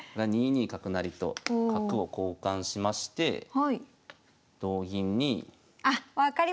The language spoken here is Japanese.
２二角成と角を交換しまして同銀に。